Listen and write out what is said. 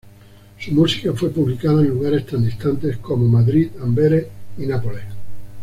Su música fue publicada en lugares tan distantes como Madrid, Amberes y Nápoles.